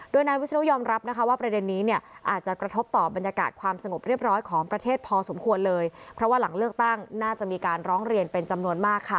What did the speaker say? โดยนายวิศนุยอมรับนะคะว่าประเด็นนี้เนี่ยอาจจะกระทบต่อบรรยากาศความสงบเรียบร้อยของประเทศพอสมควรเลยเพราะว่าหลังเลือกตั้งน่าจะมีการร้องเรียนเป็นจำนวนมากค่ะ